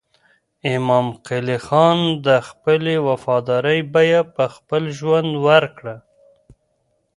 امام قلي خان د خپلې وفادارۍ بیه په خپل ژوند ورکړه.